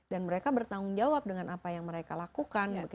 mereka bertanggung jawab dengan apa yang mereka lakukan